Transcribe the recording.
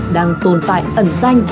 đang tồn tại ẩn xanh